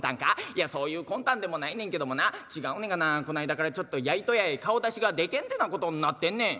「いやそういう魂胆でもないねんけどもな違うねんがなこないだからちょっと灸屋へ顔出しがでけんてなことになってんねん」。